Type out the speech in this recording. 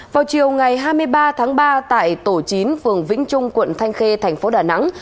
vào chiều ngày hai mươi ba tháng ba tại tổ chín phường vĩnh trung quận thanh khê thành phố đà nẵng